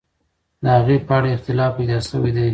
د هغې په اړه اختلاف پیدا سوی دی.